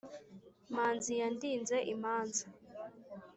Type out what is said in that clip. manzi yandinze imanza,